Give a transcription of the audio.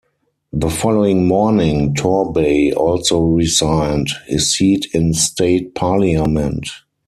The following morning Torbay also resigned his seat in State Parliament.